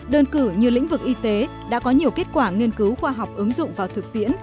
đơn cử như lĩnh vực y tế đã có nhiều kết quả nghiên cứu khoa học ứng dụng vào thực tiễn